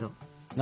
何？